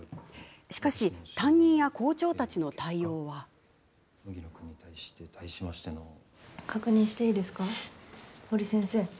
しかし担任や校長たちの対応は確認していいですか？